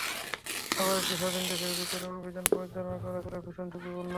আবার একটি স্বাধীন দেশের ভেতরে অভিযান পরিচালনা করা ছিল ভীষণ ঝুঁকিপূর্ণ।